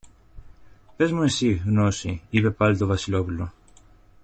Πες μου εσύ, Γνώση, είπε πάλι το Βασιλόπουλο